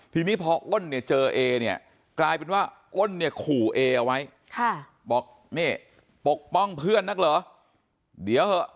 ทีนี้พออ้นเนี่ยเจอเอเดเนี่ย